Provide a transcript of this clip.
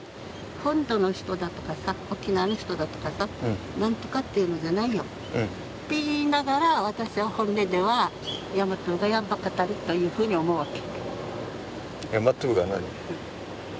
本土の人だとかさ、沖縄の人だとかさ、何とかって言うんじゃないよっていいながら、私は本音ではヤマトは馬鹿たれと思うわけ。